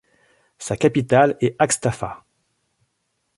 Sa capitale est Aghstafa.